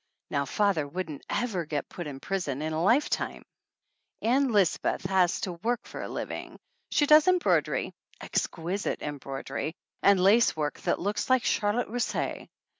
Now, father wouldn't ever get put in prison in a lifetime ! Ann Lisbeth has to work for a living. She does embroidery exquisite embroidery, and lace work that looks like charlotte russe.